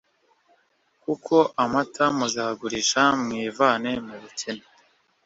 kuko amata muzayagurisha mwivane mu bukene